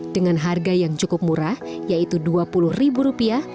dengan harga yang cukup murah yaitu dua puluh ribu rupiah